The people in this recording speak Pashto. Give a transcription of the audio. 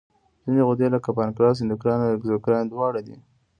ځینې غدې لکه پانکراس اندوکراین او اګزوکراین دواړه دي.